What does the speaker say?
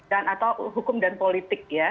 dan atau hukum dan politik ya